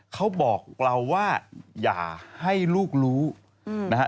เขาบอกเราว่าอย่าให้ลูกรู้นะฮะ